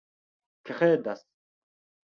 kredas